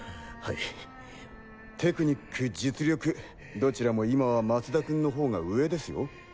テクニック実力どちらも今は松田君の方が上ですよ。